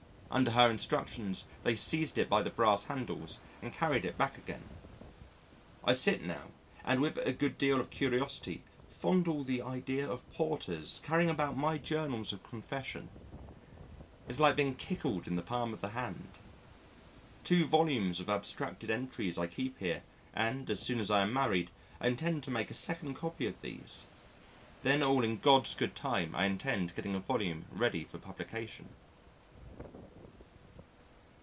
Under her instructions they seized it by the brass handles and carried it back again. I sit now and with a good deal of curiosity fondle the idea of porters carrying about my Journals of confession. It's like being tickled in the palm of the hand.... Two volumes of abstracted entries I keep here, and, as soon as I am married, I intend to make a second copy of these.... Then all in God's good time I intend getting a volume ready for publication.